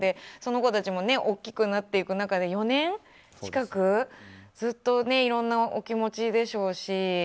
その子たちも大きくなっていく中で４年近く、ずっといろんなお気持ちでしょうし。